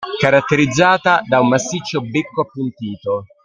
Caratterizzata da un massiccio becco appuntito.